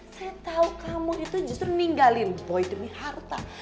saya tahu kamu itu justru ninggalin poin demi harta